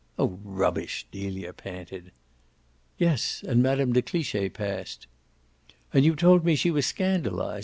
"Oh rubbish!" Delia panted. "Yes, and Mme. de Cliche passed." "And you told me she was scandalised.